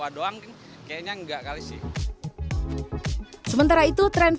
sementara itu tren viral pasangan yang menikah di kua juga disambut positif oleh kepala kua kecamatan pasar minggu daud damsik